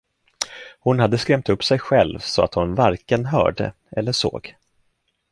Hon hade skrämt upp sig själv så att hon varken hörde eller såg.